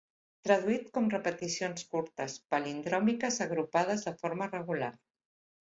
Traduït com repeticions curtes palindròmiques agrupades de forma regular.